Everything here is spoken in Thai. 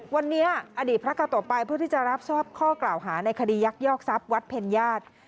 วันนี้อดีตพระกาโตไปเพื่อที่จะรับทราบข้อกล่าวหาในคดียักยอกทรัพย์วัดเพ็ญญาติ